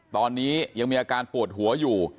ตอนนี้ยังมีอาการปวดหัวอยู่